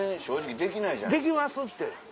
できますって。